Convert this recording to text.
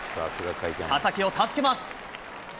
佐々木を助けます。